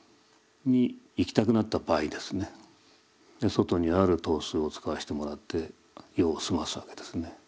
外にある東司を使わせてもらって用を済ますわけですね。